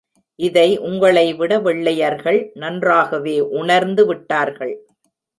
இதை உங்களைவிட வெள்ளையர்கள் நன்றாகவே உணர்ந்து விட்டார்கள்.